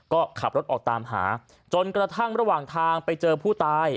ก็ขับรถออกตามหาจนกระทั่งระหว่างทางไปเจอผู้ตาย